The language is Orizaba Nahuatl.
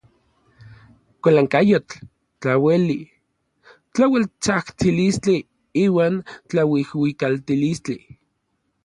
Kualankayotl, tlaueli, tlaueltsajtsilistli iuan tlauijuikaltilistli.